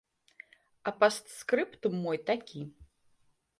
А пастскрыптум мой такі.